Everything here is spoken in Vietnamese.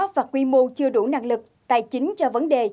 và quy mô chưa đủ năng lực tài chính cho vấn đề